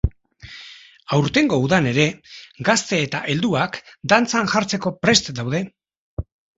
Aurtengo udan ere, gazte eta helduak dantzan jartzeko prest daude.